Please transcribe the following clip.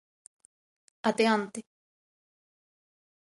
Até onte.